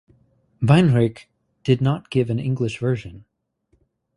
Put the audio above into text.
Weinreich did not give an English version.